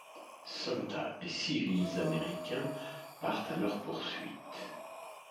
Soldats et civils américains partent à leur poursuite.